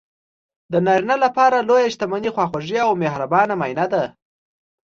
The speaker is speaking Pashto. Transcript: د نارینه لپاره لویه شتمني خواخوږې او مهربانه ماندینه ده.